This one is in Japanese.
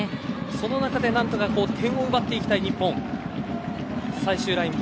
その中で、何とか点を奪っていきたい日本。